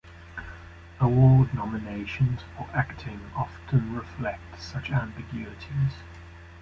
Award nominations for acting often reflect such ambiguities.